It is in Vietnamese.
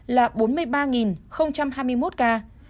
là bốn mươi ba hai mươi một ca